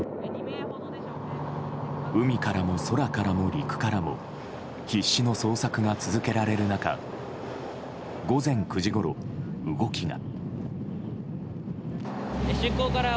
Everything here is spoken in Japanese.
海からも空からも陸からも必死の捜索が続けられる中午前９時ごろ、動きが。